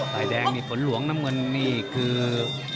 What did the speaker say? ฝ่ายแดงนี่ฝนหลวงน้ำเงินนี่คือ